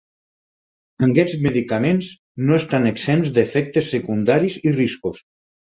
Aquests medicaments no estan exempts d'efectes secundaris i riscos.